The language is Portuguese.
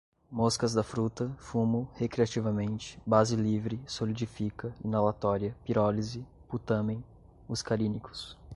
moscas-da-fruta, fumo, recreativamente, base livre, solidifica, inalatória, pirólise, putâmen, muscarínicos